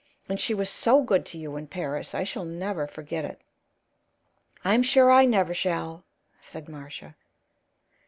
And she was so good to you in Paris. I shall never forget it." "I'm sure I never shall," said Marcia.